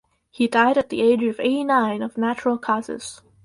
He died at the age of eighty-nine of natural causes.